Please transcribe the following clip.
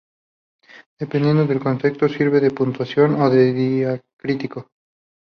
Dependiendo del contexto, sirve de puntuación o de diacrítico.